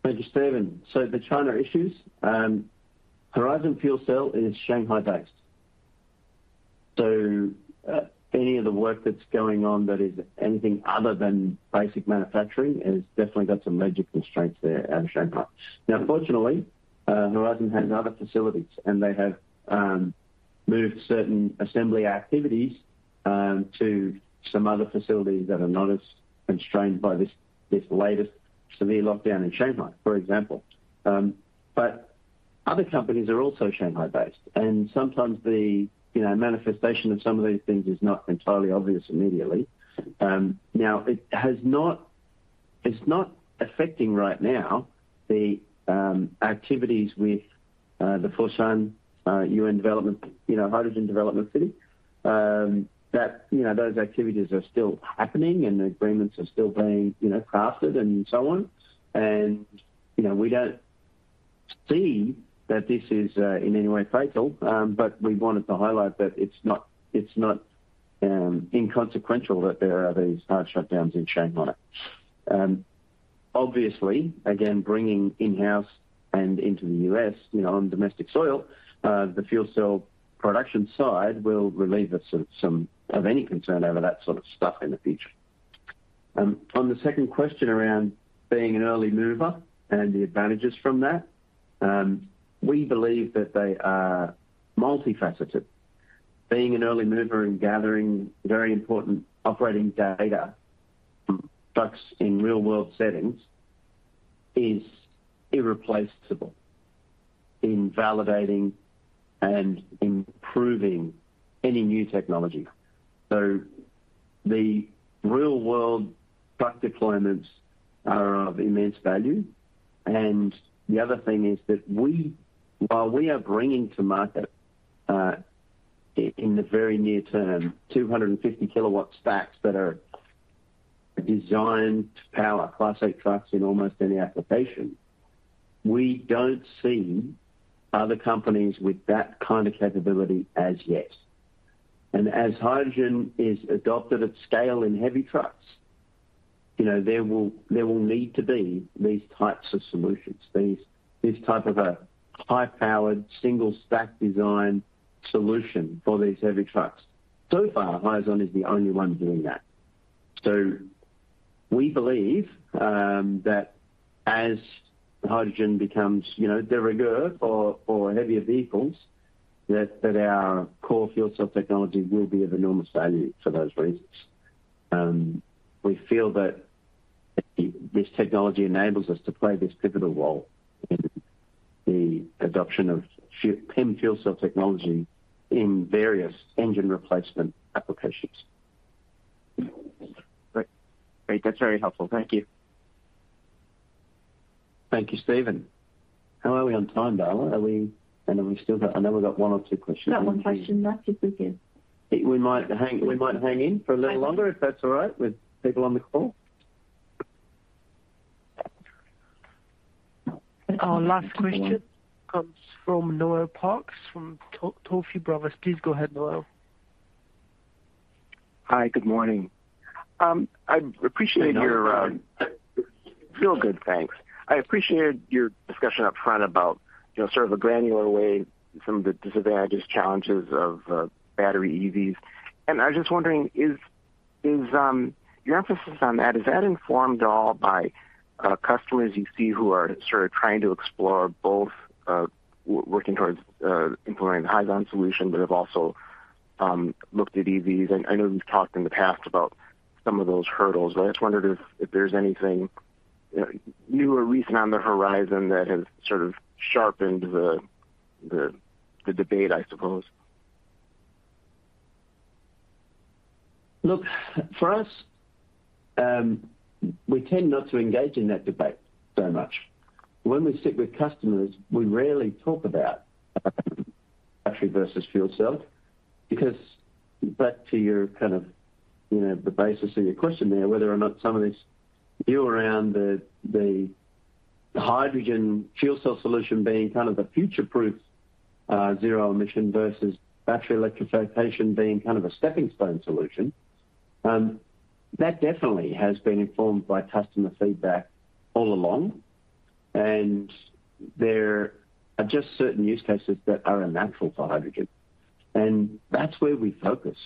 Thank you, Steven. The China issues, Hyzon Fuel Cell is Shanghai-based. Any of the work that's going on that is anything other than basic manufacturing has definitely got some major constraints there out of Shanghai. Now, fortunately, Hyzon has other facilities, and they have moved certain assembly activities to some other facilities that are not as constrained by this latest severe lockdown in Shanghai, for example. Other companies are also Shanghai-based, and sometimes the manifestation of some of these things is not entirely obvious immediately. Now, it's not affecting right now the activities with the Foshan UN Hydrogen Demonstration City. Those activities are still happening, and the agreements are still being crafted and so on. You know, we don't see that this is in any way fatal, but we wanted to highlight that it's not inconsequential that there are these hard shutdowns in Shanghai. Obviously, again, bringing in-house and into the U.S., you know, on domestic soil, the fuel cell production side will relieve us of some of any concern over that sort of stuff in the future. On the second question around being an early mover and the advantages from that, we believe that they are multifaceted. Being an early mover and gathering very important operating data from trucks in real-world settings is irreplaceable in validating and improving any new technology. The real-world truck deployments are of immense value. The other thing is that while we are bringing to market in the very near term, 250 kilowatts stacks that are designed to power Class 8 trucks in almost any application, we don't see other companies with that kind of capability as yet. As hydrogen is adopted at scale in heavy trucks, you know, there will need to be these types of solutions, these types of high-powered single stack design solution for these heavy trucks. So far, Hyzon is the only one doing that. We believe that as hydrogen becomes, you know, de rigueur for heavier vehicles, that our core fuel cell technology will be of enormous value for those reasons. We feel that this technology enables us to play this pivotal role in the adoption of PEM fuel cell technology in various engine replacement applications. Great. That's very helpful. Thank you. Thank you, Steven. How are we on time, Darla? I know we've got one or two questions. Got one question left if we can. We might hang in for a little longer, if that's all right with people on the call. Our last question comes from Noel Parks from Tuohy Brothers. Please go ahead, Noel. Hi. Good morning. I appreciated yours, Good afternoon. Real good, thanks. I appreciated your discussion up front about, you know, sort of a granular way some of the disadvantages, challenges of battery EVs. I was just wondering, is your emphasis on that informed at all by customers you see who are sort of trying to explore both working towards implementing Hyzon solution but have also looked at EVs? I know you've talked in the past about some of those hurdles, but I just wondered if there's anything new or recent on the horizon that has sort of sharpened the debate, I suppose. Look, for us, we tend not to engage in that debate so much. When we sit with customers, we rarely talk about battery versus fuel cell. Because back to your kind of, you know, the basis of your question there, whether or not some of this view around the hydrogen fuel cell solution being kind of the future-proof, zero emission versus battery electrification being kind of a steppingstone solution, that definitely has been informed by customer feedback all along. There are just certain use cases that are a natural for hydrogen, and that's where we focus.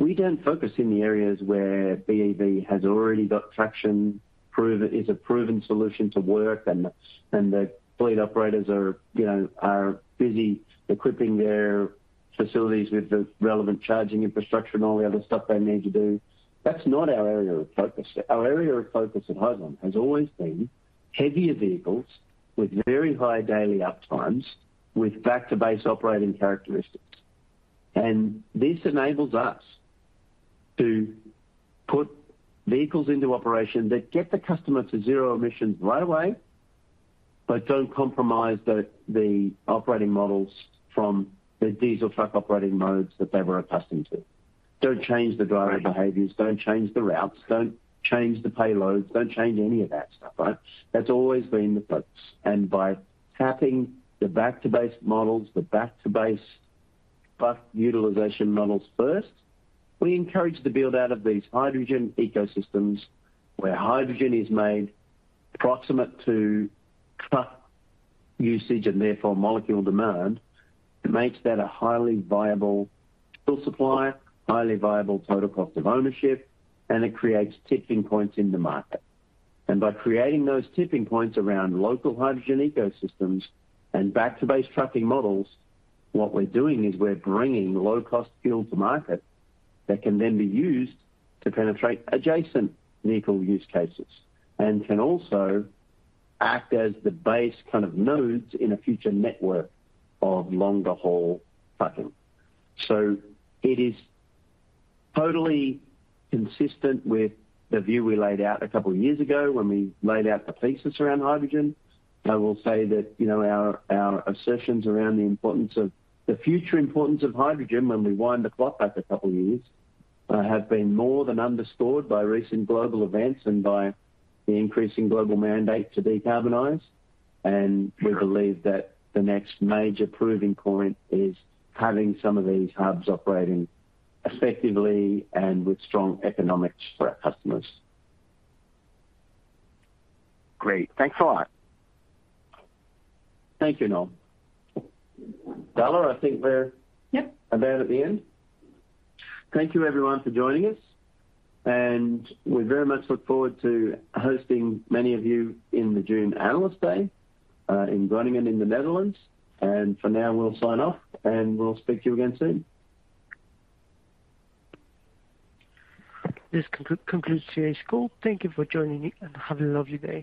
We don't focus in the areas where BEV has already got traction, proven, is a proven solution to work, and the fleet operators are, you know, are busy equipping their facilities with the relevant charging infrastructure and all the other stuff they need to do. That's not our area of focus. Our area of focus at Hyzon has always been heavier vehicles with very high daily uptimes with back to base operating characteristics. This enables us to put vehicles into operation that get the customer to zero emissions right away, but don't compromise the operating models from the diesel truck operating modes that they were accustomed to. Don't change the driver behaviors, don't change the routes, don't change the payloads, don't change any of that stuff, right? That's always been the focus. By tapping the back to base models, the back to base truck utilization models first, we encourage the build out of these hydrogen ecosystems where hydrogen is made proximate to truck usage and therefore molecule demand. It makes that a highly viable fuel supply, highly viable total cost of ownership, and it creates tipping points in the market. By creating those tipping points around local hydrogen ecosystems and back to base trucking models, what we're doing is we're bringing low-cost fuel to market that can then be used to penetrate adjacent vehicle use cases and can also act as the base kind of nodes in a future network of longer haul trucking. It is totally consistent with the view we laid out a couple of years ago when we laid out the thesis around hydrogen. I will say that, you know, our assertions around the importance of, the future importance of hydrogen when we wind the clock back a couple of years, have been more than underscored by recent global events and by the increasing global mandate to decarbonize. We believe that the next major proving point is having some of these hubs operating effectively and with strong economics for our customers. Great. Thanks a lot. Thank you, Noel. Bella, I think we're. Yep. Thank you everyone for joining us, and we very much look forward to hosting many of you in the June Analyst Day in Groningen in the Netherlands. For now, we'll sign off, and we'll speak to you again soon. This concludes today's call. Thank you for joining me and have a lovely day.